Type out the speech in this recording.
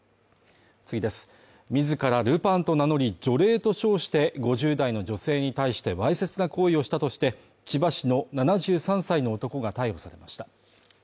自らルパンと名乗り、除霊と称して、５０代の女性に対してわいせつな行為をしたとして、千葉市の７３歳の男が逮捕されました。